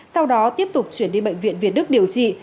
sau đó tiếp tục chuyển đi bệnh viện việt đức điều trị